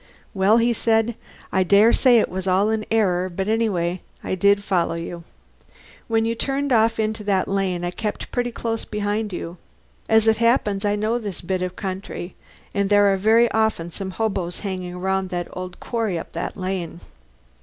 "Well," he said, "I dare say it was all an error, but anyway I did follow you. When you turned off into that lane, I kept pretty close behind you. As it happens, I know this bit of country, and there are very often some hoboes hanging around the old quarry up that lane.